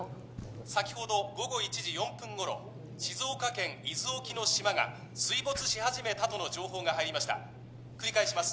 先ほど午後１時４分頃静岡県伊豆沖の島が水没し始めたとの情報が入りました繰り返します